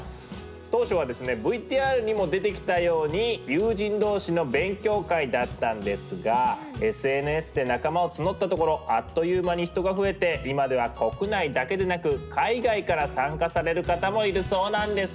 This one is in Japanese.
当初はですねＶＴＲにも出てきたように友人同士の勉強会だったんですがＳＮＳで仲間を募ったところあっという間に人が増えて今では国内だけでなく海外から参加される方もいるそうなんです。